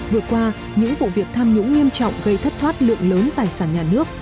vừa qua những vụ việc tham nhũng nghiêm trọng gây thất thoát lượng lớn tài sản nhà nước